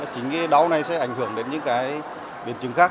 chính cái đau này sẽ ảnh hưởng đến những biến chứng khác